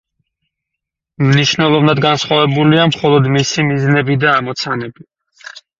მნიშვნელოვნად განსხვავებულია მხოლოდ მისი მიზნები და ამოცანები.